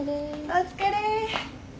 お疲れ。